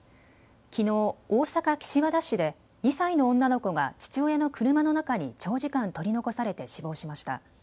きのう大阪岸和田市で２歳の女の子が父親の車の中に長時間取り残されて死亡しました。